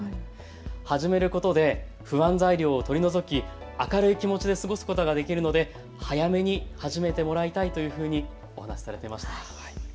始めることで不安材料を取り除き明るい気持ちで過ごすことができるので早めに始めてもらいたいというふうにお話されていました。